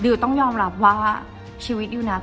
และดิวก็ค่อนข้างรับรู้ถึงความรักจริงว่ามันคืออะไร